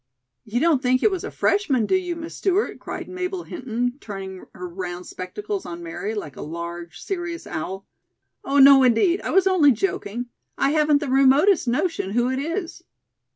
"You don't think it was a freshman, do you, Miss Stewart?" cried Mabel Hinton, turning her round spectacles on Mary like a large, serious owl. "Oh, no, indeed. I was only joking. I haven't the remotest notion who it is."